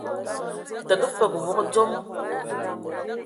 Təgə fəg wog dzom.